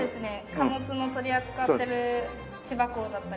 貨物も取り扱ってる千葉港だったり。